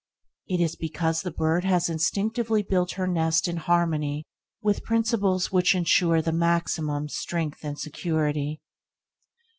It is because the bird has instinctively built her nest in harmony with principles which ensure the maximum strength and security.